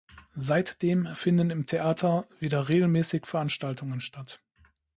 Seitdem finden im Theater wieder regelmäßig Veranstaltungen statt.